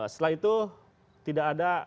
setelah itu tidak ada